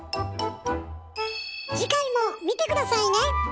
次回も見て下さいね！